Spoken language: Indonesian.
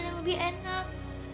terima kasih banyak ya allah